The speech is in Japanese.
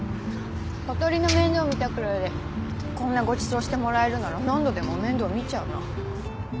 小鳥の面倒見たくらいでこんなご馳走してもらえるなら何度でも面倒見ちゃうな。